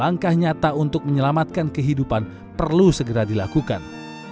langkah nyata untuk menyelamatkan kehidupan perlu segera dilakukan